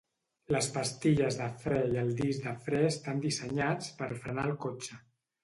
Les pastilles de fre i el disc de fre estan dissenyats per frenar el cotxe.